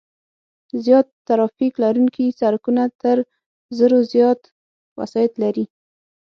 زیات ترافیک لرونکي سرکونه تر زرو زیات وسایط لري